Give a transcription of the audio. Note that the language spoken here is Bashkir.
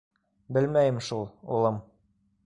— Белмәйем шул, улым.